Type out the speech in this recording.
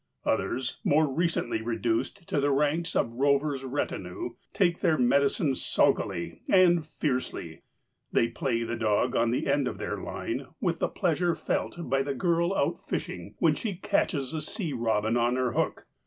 Others, more recently reduced to the ranks of Rover's retinue, take their medicine sulkily and fiercely. They play the dog on the end of their line with the pleasure felt by the girl out fishing when she catches a sea robin on her hook.